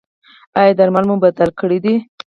ایا درمل مو بدل کړي دي؟